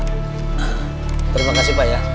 terima kasih pak ya